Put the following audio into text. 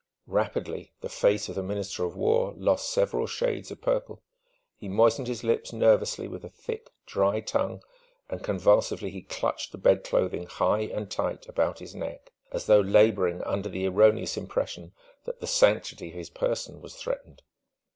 Rapidly the face of the Minister of War lost several shades of purple. He moistened his lips nervously with a thick, dry tongue, and convulsively he clutched the bed clothing high and tight about his neck, as though labouring under the erroneous impression that the sanctity of his person was threatened.